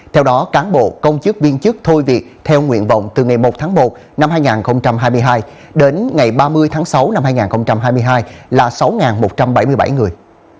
theo đó cán bộ công chức viên chức thôi việc theo nguyện vọng từ ngày một tháng một năm hai nghìn hai mươi hai đến ngày ba mươi tháng sáu năm hai nghìn hai mươi hai là sáu một trăm bảy mươi bảy người